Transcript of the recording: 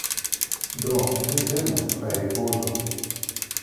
Do envenu, kaj ripozu